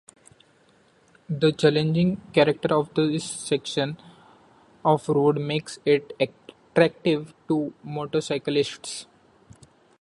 The challenging character of this section of road makes it attractive to motorcyclists.